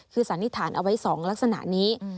คือสันนิษฐานเอาไว้๒ลักษณะนี้